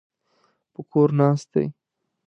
په کور ناست دی.